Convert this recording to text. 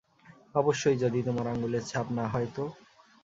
অবশ্যই যদি তোমার আঙুলের ছাপ না হয় তো।